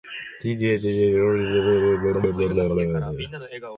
He died in Lexington, Kentucky and was interred at Lexington Cemetery.